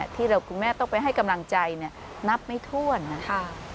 ที่คุณแม่ต้องไปให้กำลังใจเนี่ยนับไม่ถ้วนนะ